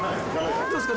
どうですか？